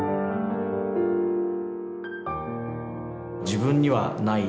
自分にはない。